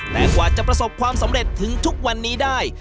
แต่กว่าจะประสบความสำเร็จถึงทุกวันนี้ได้